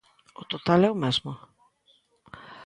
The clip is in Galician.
¿O total é o mesmo?